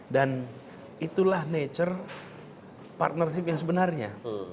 dan itulah nature partnership yang sebenarnya